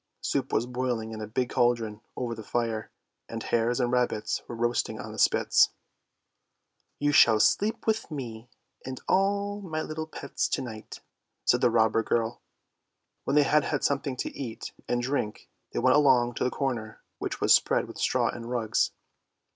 Soup was boiling in a big cauldron over the fire, and hares and rabbits were roast ing on the spits. ' You shall sleep with me and all my little pets to night," said the robber girl. When they had had something to eat and drink they went along to one corner which was spread with straw and rugs.